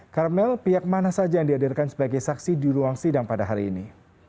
karmel pihak mana saja yang dihadirkan sebagai saksi di ruang sidang pada hari ini